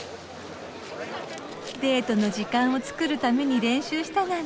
デートの時間を作るために練習したなんて。